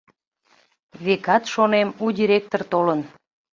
— Векат, — шонем, — у директор толын.